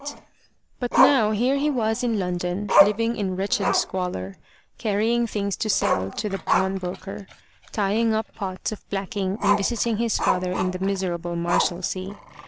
THE LATCH KEY But now here he was in London, living in wretched squalor, carrying things to sell to the pawn broker, tying up pots of blacking and visiting his father in the miserable Marshalsea.